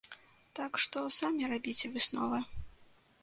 Так што самі рабіце высновы.